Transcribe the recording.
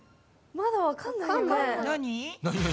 まだわかんないよね？